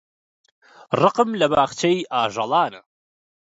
ڕقم لە باخچەی ئاژەڵانە.